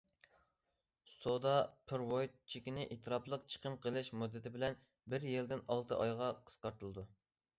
سودا پېرېۋوت چېكىنى ئېتىراپلىق چىقىم قىلىش مۇددىتى بىر يىلدىن ئالتە ئايغا قىسقارتىلىدۇ.